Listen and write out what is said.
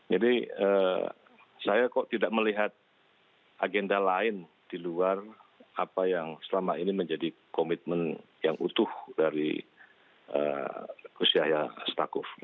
jadi saya kok tidak melihat agenda lain di luar apa yang selama ini menjadi komitmen yang utuh dari khus yahya setakuf